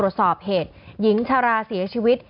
ตรวจสอบเหตุหญิงชาราเสียชีวิต